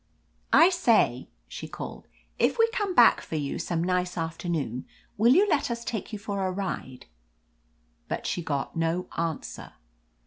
"I say," she called. "If we come back for you some nice afternoon, will you let us take you for a ride?" But she got no answer.